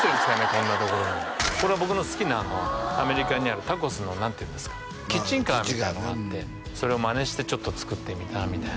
こんなところにこれは僕の好きなアメリカにあるタコスの何ていうんですかキッチンカーみたいなのがあってそれをマネしてちょっと作ってみたみたいな